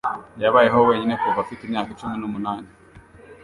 Yabayeho wenyine kuva afite imyaka cumi n'umunani.